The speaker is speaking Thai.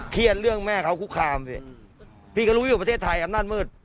เครียดเรื่องแม่เขา